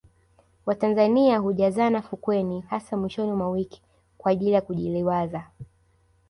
watanzania hujazana fukweni hasa mwishoni mwa wiki kwa ajili ya kujiliwaza